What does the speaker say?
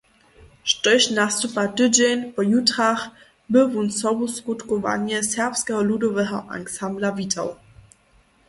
Štož nastupa tydźeń po jutrach, by wón sobuskutkowanje serbskeho ludoweho ansambla witał.